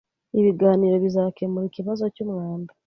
Ibiganiro bizakemura ikibazo cy’umwanda